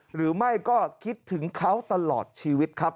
หรือไม่ก็คิดถึงเขาตลอดชีวิตครับ